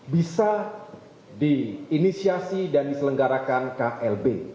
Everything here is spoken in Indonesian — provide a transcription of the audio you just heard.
bisa diinisiasi dan diselenggarakan klb